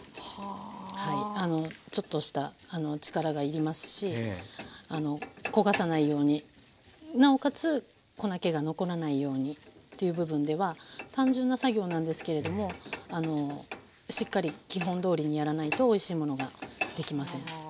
ちょっとした力が要りますし焦がさないようになおかつ粉けが残らないようにという部分では単純な作業なんですけれどもしっかり基本どおりにやらないとおいしいものができません。